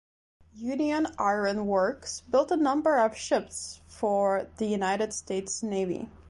Union Iron works built a number of ships for the United States Navy.